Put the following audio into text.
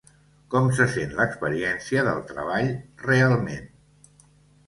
Com se sent l'experiència del treball realment?